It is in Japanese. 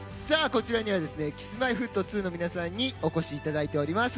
こちらにはＫｉｓ‐Ｍｙ‐Ｆｔ２の皆さんにお越しいただいております。